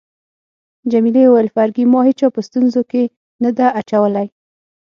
جميلې وويل: فرګي، ما هیچا په ستونزو کي نه ده اچولی.